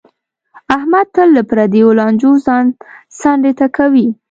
احمد تل له پردیو لانجو ځان څنډې ته کوي.